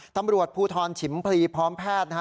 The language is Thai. ตำรวจภูทรฉิมพลีพร้อมแพทย์นะฮะ